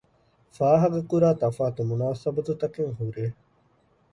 ފާހަގަކުރާ ތަފާތު މުނާސަބަތުތަކެއް ހުރޭ